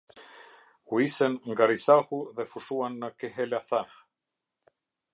U isën nga Risahu dhe fushuan në Kehelathah.